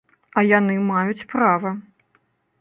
А яны маюць права.